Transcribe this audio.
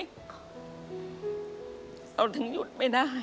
ทำงานชื่อนางหยาดฝนภูมิสุขอายุ๕๔ปี